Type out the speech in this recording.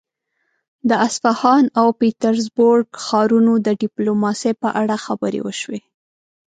د اصفهان او پيترزبورګ ښارونو د ډيپلوماسي په اړه خبرې وشوې.